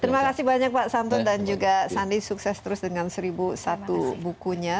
terima kasih banyak pak santo dan juga sandi sukses terus dengan seribu satu bukunya